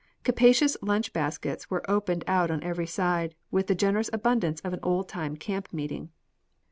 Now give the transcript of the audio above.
Capacious lunch baskets were opened out on every side, with the generous abundance of an old time camp meeting.